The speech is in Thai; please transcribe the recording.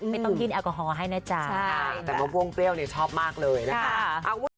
ต้องจิ้นแอลกอฮอล์ให้นะจ๊ะใช่แต่มะม่วงเปรี้ยวเนี่ยชอบมากเลยนะคะ